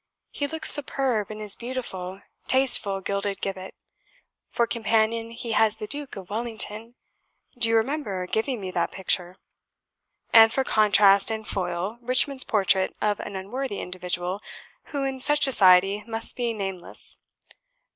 He looks superb in his beautiful, tasteful gilded gibbet. For companion he has the Duke of Wellington, (do you remember giving me that picture?) and for contrast and foil Richmond's portrait of an unworthy individual, who, in such society, must be name less.